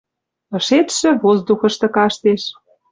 Ышетшӹ воздухышты каштеш.